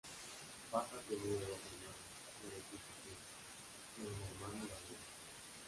Paz ha tenido dos hermanas, Loreto y Sofía, y un hermano Valerio.